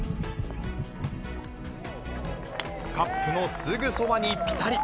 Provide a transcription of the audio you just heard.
カップのすぐそばにぴたり。